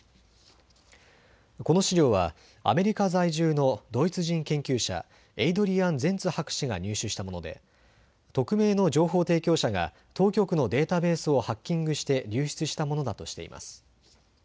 この資料はアメリカ在住のドイツ人研究者、エイドリアン・ゼンツ博士が入手したもので匿名の情報提供者が当局のデータベースをハッキングして流出したものだとしています。